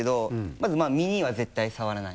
まず身には絶対触らない。